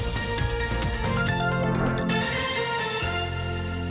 โปรดติดตามตอนต่อไป